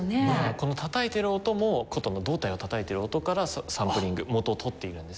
このたたいてる音も箏の胴体をたたいてる音からサンプリング元を取っているんですね。